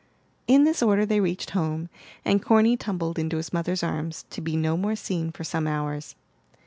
In this order they reached home, and Corny tumbled into his mother's arms, to be no more seen for some hours.